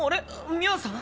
ミャアさん？